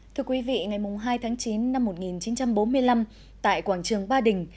ngày hai tháng chín năm một nghìn chín trăm bốn mươi năm tại quảng trường ba đình